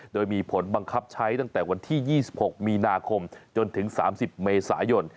โดยมีผลบังคับใช้ตั้งแต่วันที่๒๖มีนาคมจนถึง๓๐เมษายน